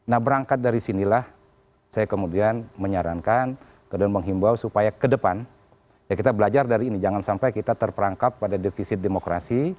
nah berangkat dari sinilah saya kemudian menyarankan ke don bong himbao supaya kedepan ya kita belajar dari ini jangan sampai kita terperangkap pada defisit demokrasi